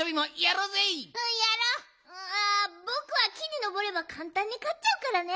あぼくは木にのぼればかんたんにかっちゃうからね。